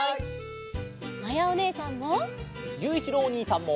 まやおねえさんも！